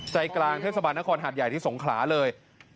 ใจกลางเทศบาลนครหาดใหญ่ที่สงขลาเลย